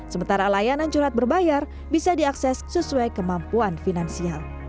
sementara layanan curhat berbayar bisa diakses sesuai kemampuan finansial